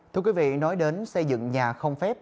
thưa quý vị nói đến xây dựng nhà không phép